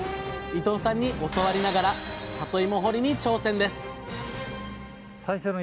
伊藤さんに教わりながらさといも掘りに挑戦です！